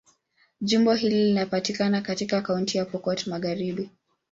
Jimbo hili linapatikana katika Kaunti ya Pokot Magharibi.